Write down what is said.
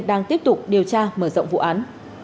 đang tiếp tục điều tra mở rộng vụ án